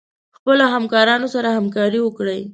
خپلو همکارانو سره همکاري وکړئ.